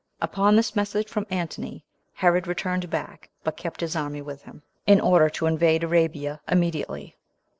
Upon this message from Antony, Herod returned back, but kept his army with him, in order to invade Arabia immediately.